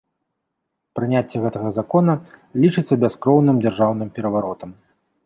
Прыняцце гэтага закона лічыцца бяскроўным дзяржаўным пераваротам.